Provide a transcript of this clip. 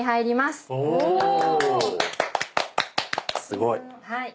すごい。